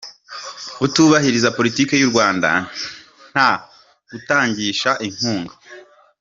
Utubahiriza politiki y’u Rwanda nta gukangisha inkunga